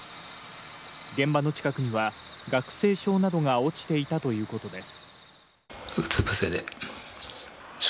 現場の近くには学生証などが落ちていたということです。